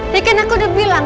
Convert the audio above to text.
ya kan aku udah bilang